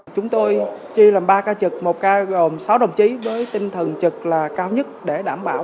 chúng tôi chi làm ba ca trực một ca gồm sáu đồng chí với tinh thần trực là cao nhất để đảm bảo